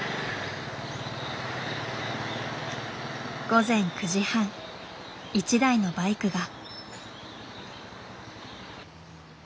午前９時半一台のバイクが。